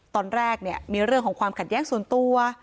ตอนแรกเนี่ยมีเรื่องของความขัดแย้งส่วนตัว